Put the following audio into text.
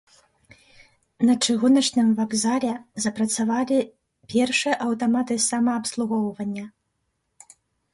На чыгуначным вакзале запрацавалі першыя аўтаматы самаабслугоўвання.